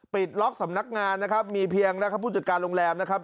ปิดล็อกสำนักงานนะครับมีเพียงนะครับผู้จัดการโรงแรมนะครับ